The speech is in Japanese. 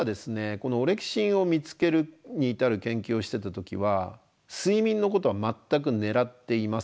このオレキシンを見つけるに至る研究をしてた時は睡眠のことは全く狙っていませんでした。